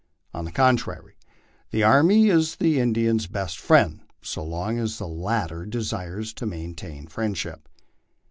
On the contrary, the army is the Indian's best friend, so long as the latter de sires to maintain friendship.